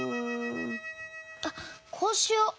あっこうしよう。